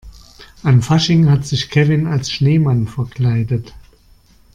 An Fasching hat sich Kevin als Schneemann verkleidet.